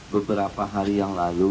beberapa hari yang lalu